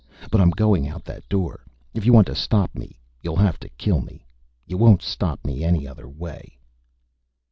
But I'm going out of that door! If you want to stop me, you'll have to kill me. You won't stop me any other way!"